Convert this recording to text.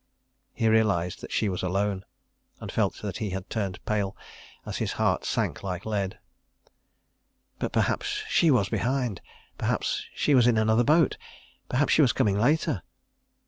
He realised that she was alone, and felt that he had turned pale, as his heart sank like lead. But perhaps she was behind. ... Perhaps she was in another boat. ... Perhaps she was coming later.